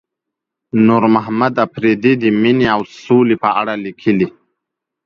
نورمحمد اپريدي د مينې او سولې په اړه ليکلي.